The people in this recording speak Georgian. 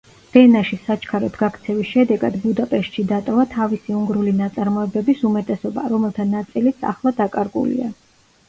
ვენაში საჩქაროდ გაქცევის შედეგად ბუდაპეშტში დატოვა თავისი უნგრული ნაწარმოებების უმეტესობა, რომელთა ნაწილიც ახლა დაკარგულია.